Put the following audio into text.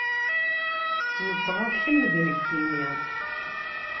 Nettɣaḍ kemm d nekkini.